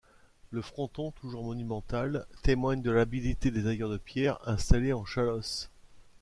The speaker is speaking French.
Le fronton, toujours monumental, témoigne de l’habilité des tailleurs de pierres installés en Chalosse.